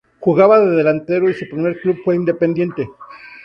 Jugaba de delantero y su primer club fue Independiente.